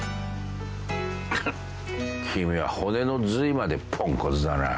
ハッ君は骨の髄までポンコツだな。